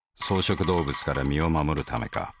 草食動物から身を護るためか。